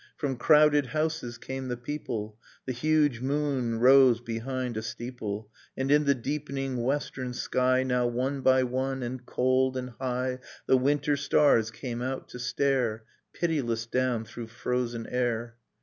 From crowded houses came the people, The hugh moon rose behind a steeple, And in the deepening western sky Now one by one and cold and high The winter stars came out, to stare Pitiless down through frozen air.